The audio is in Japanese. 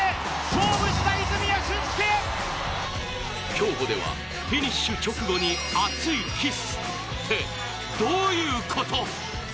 競歩ではフィニッシュ直後に熱いキスって、どういうこと？